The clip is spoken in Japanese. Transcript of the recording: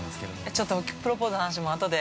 ◆ちょっとプロポーズの話も後で。